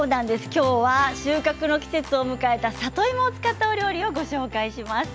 今日は収穫の季節を迎えた里芋を使った料理をご紹介します。